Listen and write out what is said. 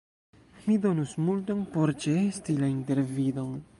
Mi donus multon por ĉeesti la intervidon.